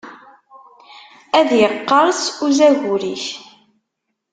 Ad yeqqerṣ uzagur-ik.